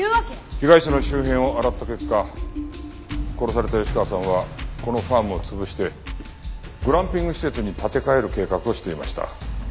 被害者の周辺を洗った結果殺された吉川さんはこのファームを潰してグランピング施設に建て替える計画をしていました。